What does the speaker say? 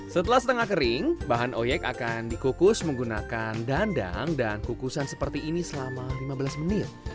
setelah setengah kering bahan oyek akan dikukus menggunakan dandang dan kukusan seperti ini selama lima belas menit